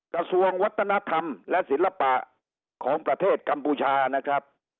กระทรวงวัฒนธรรมและศิลปะของประเทศกัมพูชานะครับ